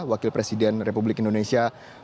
wakil presiden republik indonesia